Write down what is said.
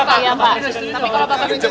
tanyakan ke dia